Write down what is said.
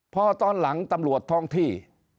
เพราะตอนถึงตำรวจท้องที่